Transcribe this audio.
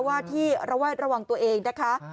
ว่าที่ระวังตัวเองนะคะ